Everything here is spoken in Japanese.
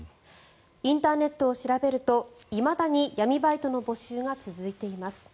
インターネットを調べるといまだに闇バイトの募集が続いています。